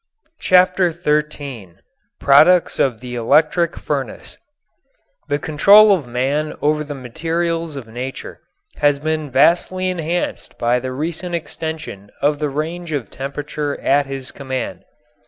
CHAPTER XIII PRODUCTS OF THE ELECTRIC FURNACE The control of man over the materials of nature has been vastly enhanced by the recent extension of the range of temperature at his command.